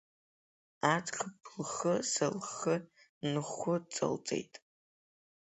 Аӡӷаб лхыза лхы нхәыҵалҵеит.